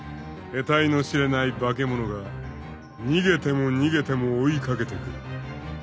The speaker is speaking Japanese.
［えたいの知れない化け物が逃げても逃げても追い掛けてくる］